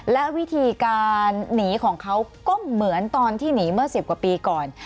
และวิธีการหนีของเขาก็เหมือนตอนที่หนีเมื่อ๑๐กว่าปีก่อน